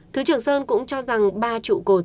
thứ trưởng sơn cũng cho rằng ba trụ cột